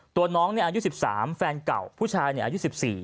ตัวน้องอายุ๑๓แฟนเก่าผู้ชายอายุ๑๔